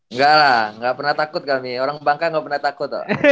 engga lah ga pernah takut kami orang bangka ga pernah takut loh